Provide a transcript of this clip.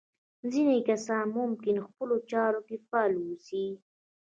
ځينې کسان ممکن خپلو چارو کې فعال واوسي.